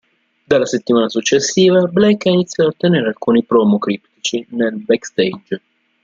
Dalla settimana successiva, Black ha iniziato a tenere alcuni promo criptici nel "backstage".